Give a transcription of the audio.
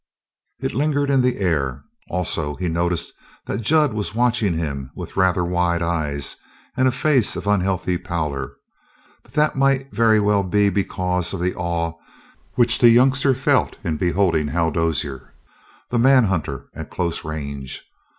It lingered in the air. Also, he noted that Jud was watching him with rather wide eyes and a face of unhealthy pallor; but that might very well be because of the awe which the youngster felt in beholding Hal Dozier, the manhunter, at close range.